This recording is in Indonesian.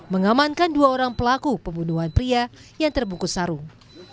mengamankan dua orang pelaku pembunuhan pria yang terbungkus sarung